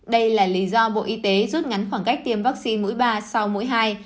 đây là lý do bộ y tế rút ngắn khoảng cách tiêm vaccine mũi ba sau mỗi hai